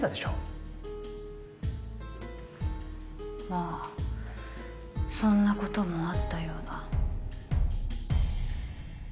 まあそんなこともあったような。